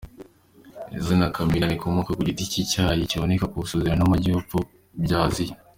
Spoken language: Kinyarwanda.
Izina Camellia rikomoka ku giti cy’icyayi kiboneka mu Burasirazuba n’Amajyapfo bya Aziya.